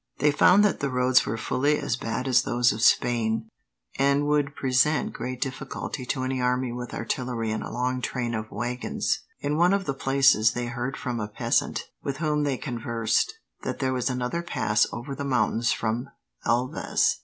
They found that the roads were fully as bad as those of Spain, and would present great difficulty to any army with artillery and a long train of waggons. In one of the places they heard from a peasant, with whom they conversed, that there was another pass over the mountains from Elvas.